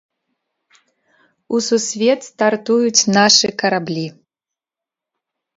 У сусвет стартуюць нашы караблі.